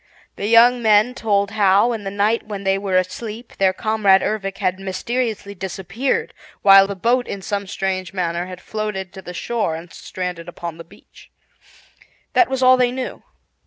The young men told how, in the night when they were asleep, their comrade Ervic had mysteriously disappeared, while the boat in some strange manner had floated to the shore and stranded upon the beach. That was all they knew.